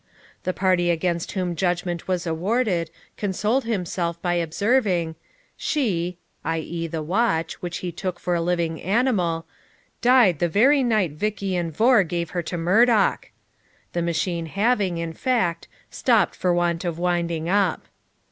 The party against whom judgment was awarded consoled himself by observing, 'She (i.e. the watch, which he took for a living animal) died the very night Vich lan Vohr gave her to Murdoch'; the machine, having, in fact, stopped for want of winding up.